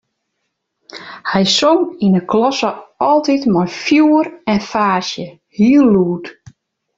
Hy song yn 'e klasse altyd mei fjoer en faasje, hiel lûd.